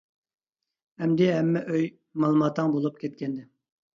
ئەمدى ھەممە ئۆي مالىماتاڭ بولۇپ كەتكەنىدى.